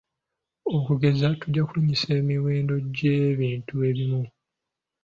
Okugeza tujja kulinnyisa emiwendo gy'ebintu ebimu.